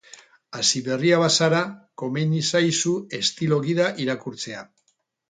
Hasiberria bazara, komeni zaizu estilo gida irakurtzea.